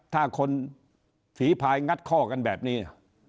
ถ้าคนฝีภายงัดข้อกันแบบนี้